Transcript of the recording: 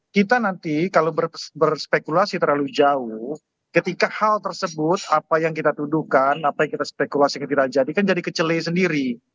kita nanti kalau berspekulasi terlalu jauh ketika hal tersebut apa yang kita tuduhkan apa yang kita spekulasi ketidak jadikan jadi kecele sendiri